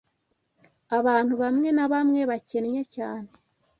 Abantu bamwe na bamwe bakennye cyane